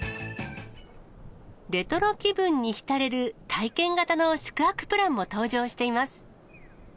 レトロ気分に浸れる体験型の宿泊プランも登場しています。